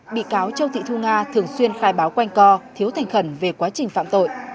bị cáo châu thị thu nga thường xuyên khai báo quanh co thiếu thành khẩn về quá trình phạm tội